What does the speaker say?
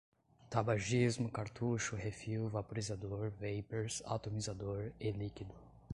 tabagismo, cartucho, refil, vaporizador, vapers, atomizador, e-líquido